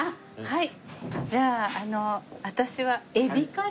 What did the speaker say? はい。